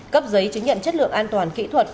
cấp giấy chứng nhận chất lượng an toàn kỹ thuật